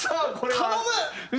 頼む！